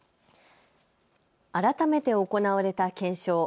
改めて行われた検証。